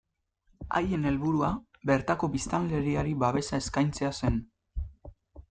Haien helburua bertako biztanleriari babesa eskaintzea zen.